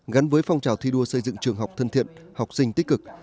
gắn với phong trào thi đua xây dựng trường học thân thiện học sinh tích cực